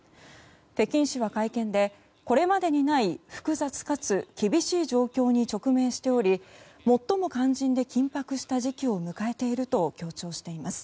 北京市は会見で、これまでにない複雑かつ厳しい状況に直面しており最も肝心で緊迫した時期を迎えていると強調しています。